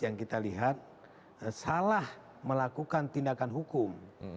yang kita lihat salah melakukan tindakan hukum